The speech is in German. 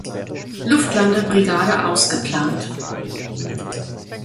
Luftlandebrigade ausgeplant.